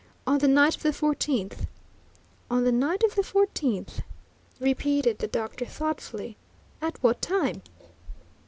"On the night of the fourteenth." "On the night of the fourteenth?" repeated the doctor thoughtfully. "At what time?"